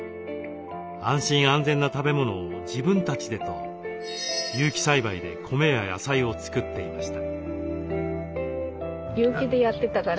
「安心安全な食べ物を自分たちで」と有機栽培で米や野菜を作っていました。